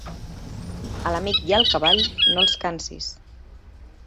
A l'amic i al cavall, no els cansis.